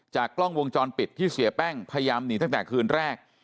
กล้องวงจรปิดที่เสียแป้งพยายามหนีตั้งแต่คืนแรก